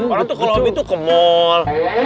orang tuh kalau hobi tuh ke mall